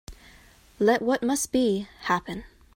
Let what must be, happen.